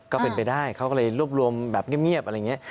ก็เป็นไปได้เขาก็เลยรวบรวมแบบเงียบอะไรอย่างนี้